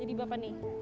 jadi bapak nih